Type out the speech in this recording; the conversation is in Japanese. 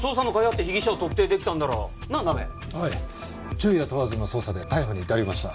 昼夜問わずの捜査で逮捕に至りました。